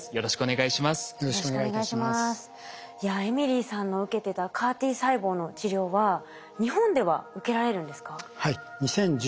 いやエミリーさんの受けてたＣＡＲ−Ｔ細胞の治療は日本では受けられるんですか？